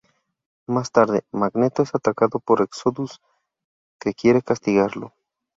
Más tarde, Magneto es atacado por Exodus, que quiere castigarlo.